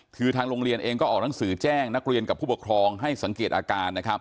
คือทางโรงเรียนเองก็ออกหนังสือแจ้งนักเรียนกับผู้ปกครองให้สังเกตอาการนะครับ